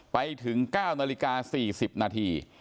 ไปถึง๙นาฬิกา๔๐นาที